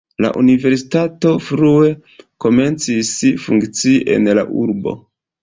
La universitato frue komencis funkcii en la urbo.